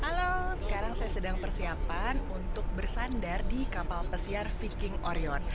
halo sekarang saya sedang persiapan untuk bersandar di kapal pesiar viking orion